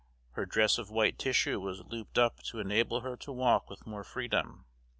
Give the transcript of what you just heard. Her dress of white tissue was looped up to enable her to walk with more freedom.